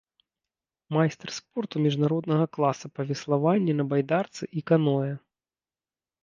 Майстар спорту міжнароднага класа па веславанні на байдарцы і каноэ.